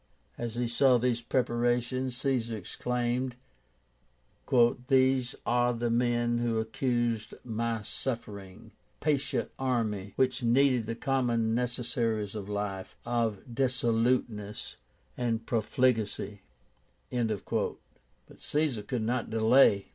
As he saw these preparations Caesar exclaimed, "These are the men who accused my suffering, patient army, which needed the common necessaries of life, of dissoluteness and profligacy." But Caesar could not delay.